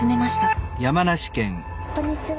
こんにちは。